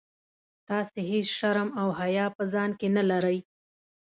تاسي هیڅ شرم او حیا په ځان کي نه لرئ.